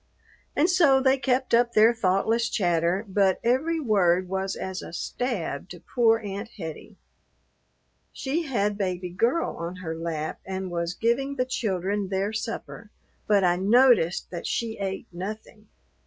And so they kept up their thoughtless chatter; but every word was as a stab to poor Aunt Hettie. She had Baby Girl on her lap and was giving the children their supper, but I noticed that she ate nothing.